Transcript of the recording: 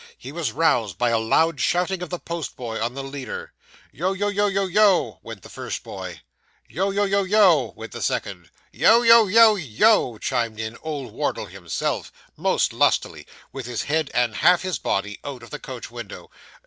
He was roused by a loud shouting of the post boy on the leader. 'Yo yo yo yo yoe!' went the first boy. 'Yo yo yo yoe!' went the second. 'Yo yo yo yoe!' chimed in old Wardle himself, most lustily, with his head and half his body out of the coach window.